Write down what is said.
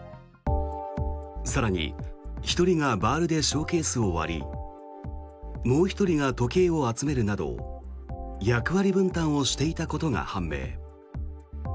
更に、１人がバールでショーケースを割りもう１人が時計を集めるなど役割分担をしていたことが判明。